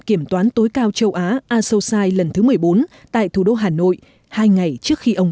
kiểm toán tối cao châu á asosai lần thứ một mươi bốn tại thủ đô hà nội hai ngày trước khi ông